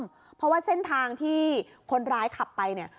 เพราะว่าเส้นทางที่คนร้ายขับไปเนี่ย